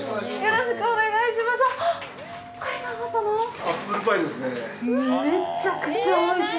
よろしくお願いします。